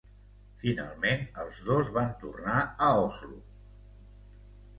Finalment els dos van tornar a Oslo.